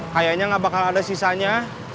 kayaknya nggak bakal ada sisanya